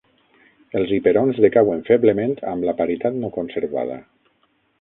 Els hiperons decauen feblement amb la paritat no conservada.